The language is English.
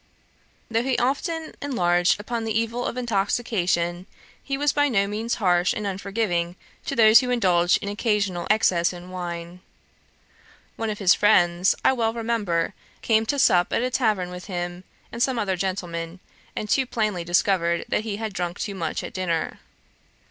Though he often enlarged upon the evil of intoxication, he was by no means harsh and unforgiving to those who indulged in occasional excess in wine. One of his friends, I well remember, came to sup at a tavern with him and some other gentlemen, and too plainly discovered that he had drunk too much at dinner.